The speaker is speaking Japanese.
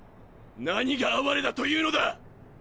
何が哀れだというのだ！？